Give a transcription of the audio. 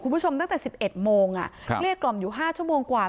คุณผู้ชมตั้งแต่๑๑โมงเกลี้ยกล่อมอยู่๕ชั่วโมงกว่า